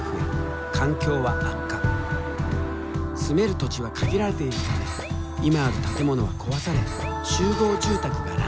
住める土地は限られているため今ある建物は壊され集合住宅が乱立。